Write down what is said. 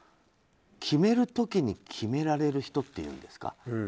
決める時に決められる人っていうんですか。